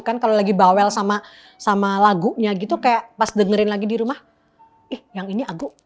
kan kalau lagi bawel sama lagunya gitu kayak pas dengerin lagi di rumah ih yang ini aku